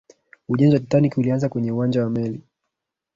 ujenzi wa titanic ulianza kwenye uwanja wa meli